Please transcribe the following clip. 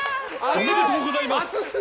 おめでとうございます。